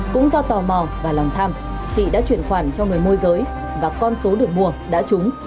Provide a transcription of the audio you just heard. cũng do tò mò và lòng tham chị đã chuyển khoản cho người môi giới và con số được mua đã trúng